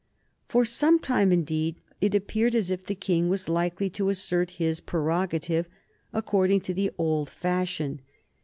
For some time, indeed, it appeared as if the King was likely to assert his prerogative, according to the old fashion.